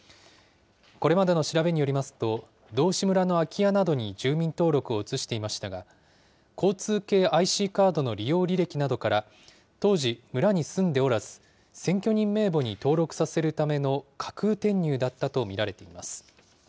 これまでの調べによりますと、道志村の空き家などに住民登録を移していましたが、交通系ＩＣカードの利用履歴などから、当時、村に住んでおらず、選挙人名簿に登録させるための架空転入だったと見られています。